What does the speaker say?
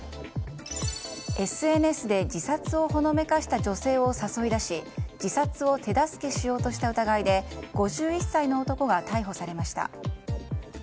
ＳＮＳで自殺をほのめかした女性を誘い出し自殺を手助けしようとした疑いで５１歳の男が逮捕されました。